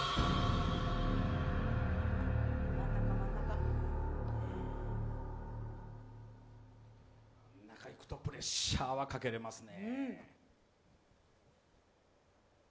真ん中いくとプレッシャーはかけられますね。